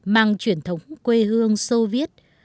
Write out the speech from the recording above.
mang truyền thống quê hương sô viết